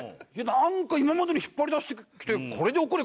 なんか今までの引っ張り出してきて「これで怒れ